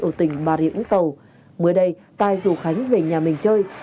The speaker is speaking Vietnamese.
ở tỉnh bà riễng tầu mới đây tài rủ khánh về nhà mình chơi